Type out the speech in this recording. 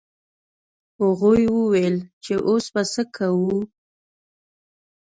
هغوی وویل چې اوس به څه کوو.